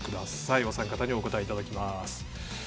お三方にお答えいただきます。